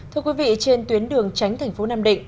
thưa quý vị trên tuyến đường tránh thành phố nam định